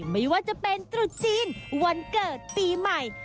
ไม่ว่าจะเป็นตรุษจีนวันเกิดปีใหม่